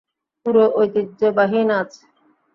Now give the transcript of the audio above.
পুরো ঐতিহ্যবাহী নাচ।